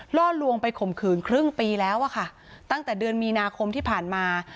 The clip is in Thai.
ล่อลวงไปข่มขืนครึ่งปีแล้วอะค่ะตั้งแต่เดือนมีนาคมที่ผ่านมา